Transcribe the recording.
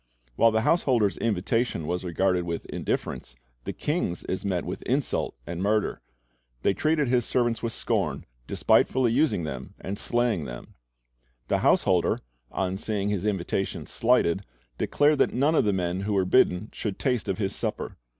While the householder's invitation was regarded with indifference, the king's is met with insult and murder. They treated his servants with scorn, despitefully using them and slaying them. The householder, on seeing his invitation slighted, declared that none of the men who were bidden should taste of his supper.